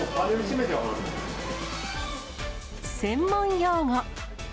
専門用語。